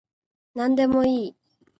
なんでもいい